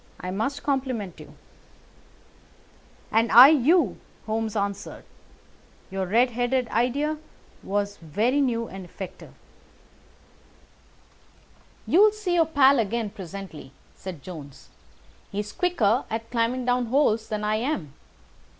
I must compliment you." "And I you," Holmes answered. "Your red headed idea was very new and effective." "You'll see your pal again presently," said Jones. "He's quicker at climbing down holes than I am.